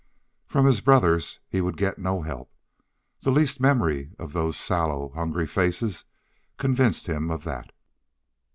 From his brothers he would get no help. The least memory of those sallow, hungry faces convinced him of that.